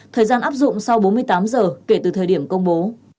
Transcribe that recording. thời gian áp dụng sau bốn mươi tám giờ kể từ thời điểm công bố